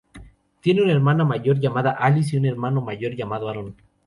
Tiene una hermana mayor llamada Alice y un hermano mayor llamado Aaron.